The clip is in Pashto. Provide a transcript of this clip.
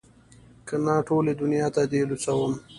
که نه ټولې دونيا ته دې لوڅوم.